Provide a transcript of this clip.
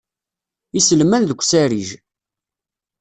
Iselman deg usarij.